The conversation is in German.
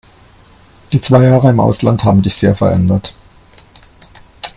Die zwei Jahre im Ausland haben dich sehr verändert.